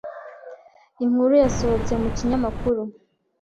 inkuru yasohotse mu kinyamakuru